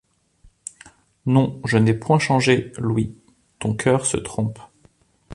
Non, je n'ai point changé, Louis ; ton coeur se trompe.